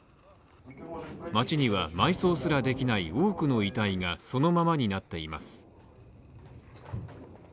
街には埋葬すらできない多くの遺体がそのままになっています。